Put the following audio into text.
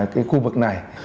khu vực này